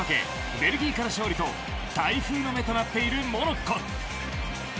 ベルギーから勝利と台風の目となっているモロッコ。